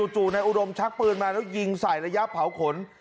จู่นายอุดมชักปืนมาแล้วยิงใส่ระยะเผาขน